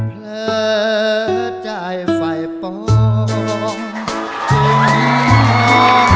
เพลิดใจไฟปลองจริงหรือห่อ